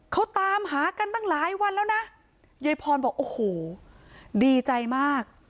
เขาตามหากันตั้งหลายวันแล้วนะยายพรบอกโอ้โหดีใจมาก